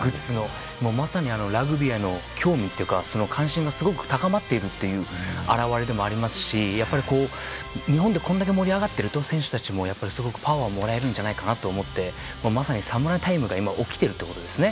まさにラグビーへの興味というか関心がすごく高まっているという表れでもありますしこれだけ盛り上がると選手たちもすごくパワーをもらえるんじゃないかなと思ってまさに侍タイムが今起きているということですね。